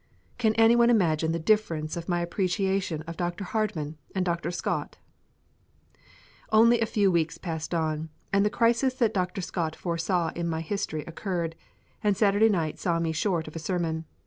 Can anyone imagine the difference of my appreciation of Dr. Hardman and Dr. Scott? Only a few weeks passed on, and the crisis that Dr. Scott foresaw in my history occurred, and Saturday night saw me short of a sermon.